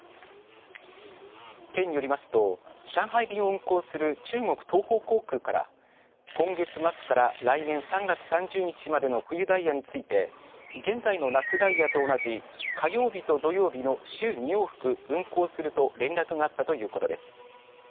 県によりますと上海便を運航する中国東方航空から今月末から来年３月３０日までの冬ダイヤについて現在の夏ダイヤと同じ火曜日と土曜日の週２往復運航すると連絡があったということです。